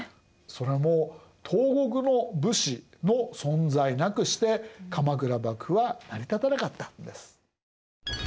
それも東国の武士の存在なくして鎌倉幕府は成り立たなかったんです。